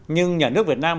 nhưng nhà nước việt nam